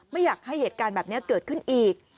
ไม่อยากให้เหตุการณ์แบบนี้เกิดขึ้นอีก